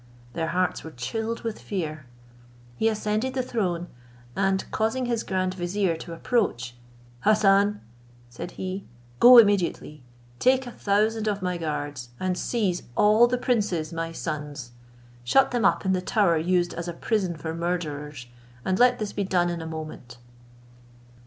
Their hearts were chilled with fear. He ascended the throne, and causing his grand vizier to approach, "Hassan," said he, "go immediately, take a thousand of my guards, and seize all the princes, my sons; shut them up in the tower used as a prison for murderers, and let this be done in a moment."